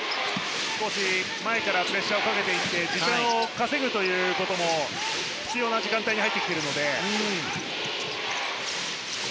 少し前からプレッシャーをかけていって時間を稼ぐことも必要な時間帯なので。